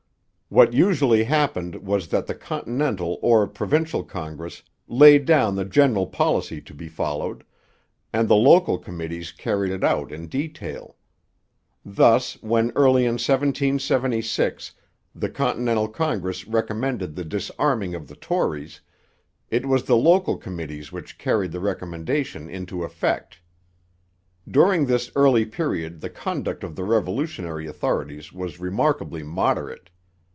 What usually happened was that the Continental or provincial Congress laid down the general policy to be followed, and the local committees carried it out in detail. Thus, when early in 1776 the Continental Congress recommended the disarming of the Tories, it was the local committees which carried the recommendation into effect. During this early period the conduct of the revolutionary authorities was remarkably moderate.